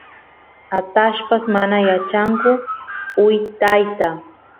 atallpas mana yachanku wytayta